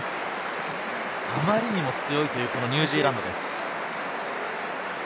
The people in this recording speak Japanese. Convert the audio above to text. あまりにも強いというニュージーランドです。